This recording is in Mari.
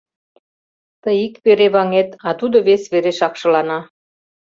Тый ик вере ваҥет, а тудо вес вере шакшылана.